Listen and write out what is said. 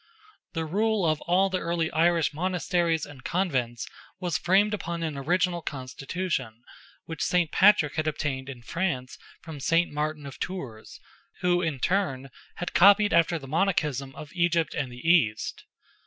The rule of all the early Irish monasteries and convents was framed upon an original constitution, which St. Patrick had obtained in France from St. Martin of Tours, who in turn had copied after the monachism of Egypt and the East.